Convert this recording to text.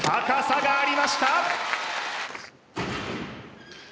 高さがありました！